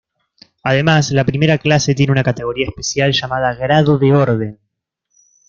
Además, la primera clase tiene una categoría especial llamada Grado de Orden.